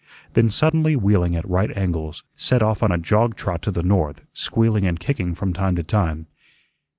Then, suddenly wheeling at right angles, set off on a jog trot to the north, squealing and kicking from time to time.